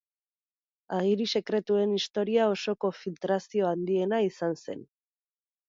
Agiri sekretuen historia osoko filtrazio handiena izan zen.